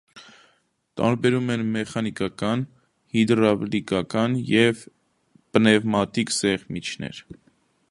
Տարբերում են մեխանիկական, հիդրավլիկական և պնևմատիկ մեղմիչներ։